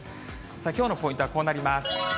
きょうのポイントはこうなります。